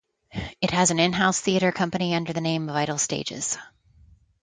It has an in-house theatre company under the name Vital Stages.